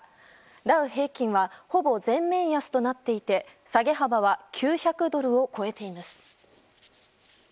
ダウ平均はほぼ全面安となっていて下げ幅は９００ドルを超えています。